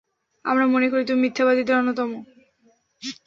আমরা মনে করি, তুমি মিথ্যাবাদীদের অন্যতম।